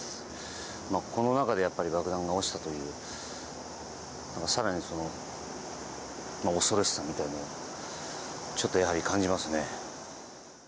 この中で、やっぱり爆弾が落ちたという更に、恐ろしさみたいなのがちょっとやはり感じますね。